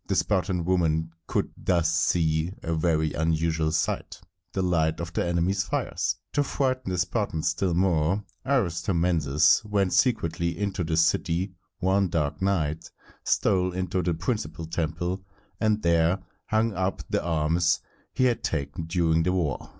The Spartan women could thus see a very unusual sight, the light of the enemies' fires. To frighten the Spartans still more, Aristomenes went secretly into the city one dark night, stole into the principal temple, and there hung up the arms he had taken during the war.